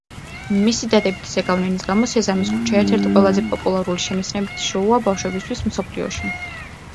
მისი დადებითი ზეგავლენის გამო სეზამის ქუჩა ერთ-ერთი ყველაზე პოპულარული შემეცნებითი შოუა ბავშვებისთვის მსოფლიოში.